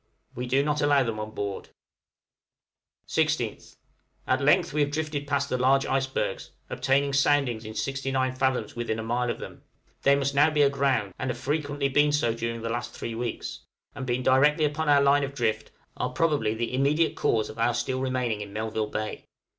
We do not allow them on board. 16th. At length we have drifted past the large icebergs, obtaining soundings in 69 fathoms within a mile of them; they must now be aground, and have frequently been so during the last three weeks; and being directly upon our line of drift, are probably the immediate cause of our still remaining in Melville Bay.